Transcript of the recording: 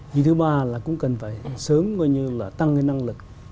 ý thứ ba là cũng cần phải sớm tăng năng lực